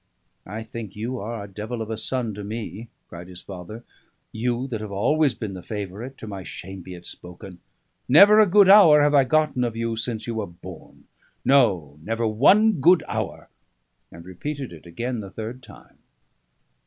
"I think you are a devil of a son to me," cried his father, "you that have always been the favourite, to my shame be it spoken. Never a good hour have I gotten of you since you were born; no, never one good hour," and repeated it again the third time.